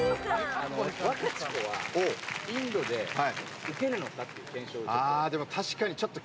ワカチコは、インドで受けるのかっていう検証をちょっと。